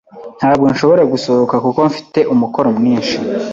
Ntabwo nshobora gusohoka kuko mfite umukoro mwinshi.